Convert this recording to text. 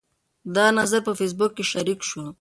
دا نظر په فیسبوک کې شریک شو.